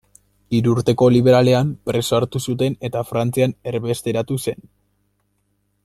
Hirurteko Liberalean preso hartu zuten eta Frantzian erbesteratu zen.